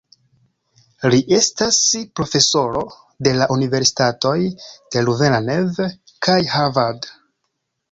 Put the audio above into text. Li estas profesoro de la universitatoj de Louvain-la-Neuve kaj Harvard.